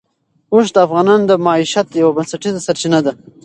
اوښ د افغانانو د معیشت یوه بنسټیزه سرچینه ده.